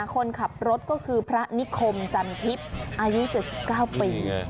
คนขับรถก็คือพระนิคมจันทิพย์อายุ๗๙ปี